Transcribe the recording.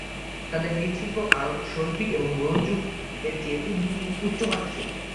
তাদের মৃৎশিল্প আরও শৈল্পিক এবং ব্রোঞ্জ যুগ এর চেয়ে উচ্চ মানের ছিল।